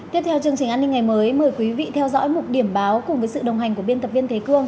tiếp theo chương trình an ninh ngày mới mời quý vị theo dõi một điểm báo cùng với sự đồng hành của biên tập viên thế cương